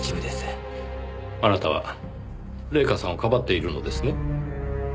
あなたは礼夏さんをかばっているのですね？